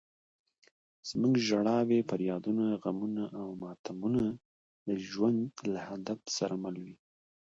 زموږ ژړاوې، فریادونه، غمونه او ماتمونه د ژوند له هدف سره مل دي.